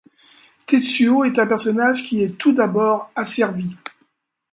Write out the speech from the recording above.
Tetsuo est un personnage qui est tout d'abord asservi.